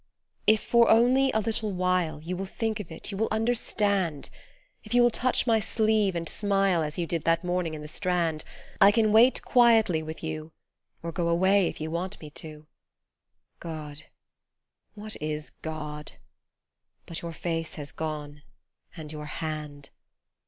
22 If for only a little while You will think of it you will understand, If you will touch my sleeve and smile As you did that morning in the Strand I can wait quietly with you Or go away if you want me to God ! What is God ? but your face has gone and your hand